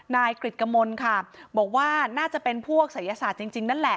นายกริจกมลค่ะบอกว่าน่าจะเป็นพวกศัยศาสตร์จริงนั่นแหละ